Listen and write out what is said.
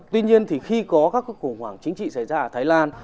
tuy nhiên thì khi có các khủng hoảng chính trị xảy ra ở thái lan